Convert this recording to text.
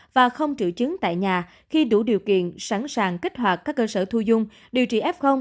và không triệu chứng tại nhà khi đủ điều kiện sẵn sàng kích hoạt các cơ sở thu dung điều trị f